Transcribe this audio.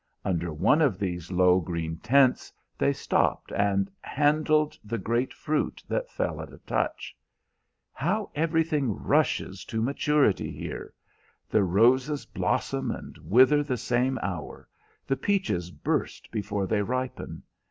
Under one of these low green tents they stopped and handled the great fruit that fell at a touch. "How everything rushes to maturity here! The roses blossom and wither the same hour. The peaches burst before they ripen.